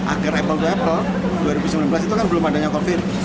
akhir apple to apple dua ribu sembilan belas itu kan belum adanya covid